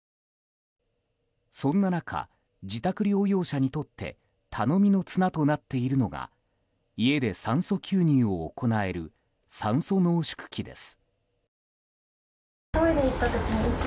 そんな中、自宅療養者にとって頼みの綱となっているのが家で酸素吸入を行える酸素濃縮器です。